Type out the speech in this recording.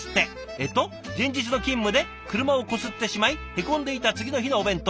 えっと「前日の勤務で車をこすってしまいへこんでいた次の日のお弁当。